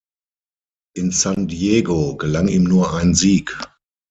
In San Diego gelang ihm nur ein Sieg.